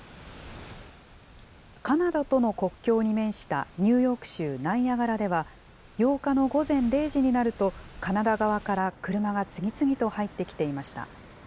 カナダとの国境に面したニューヨーク州ナイアガラでは、８日の午前０時になると、カナダ側から車が次々と入ってきていました。